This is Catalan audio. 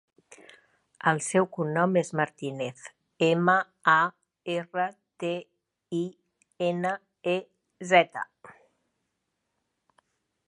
El seu cognom és Martinez: ema, a, erra, te, i, ena, e, zeta.